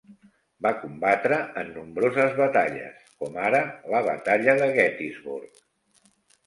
Va combatre en nombroses batalles, com ara la Batalla de Gettysburg.